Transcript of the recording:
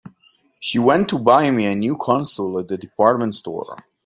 She went to buy me a new console at the department store.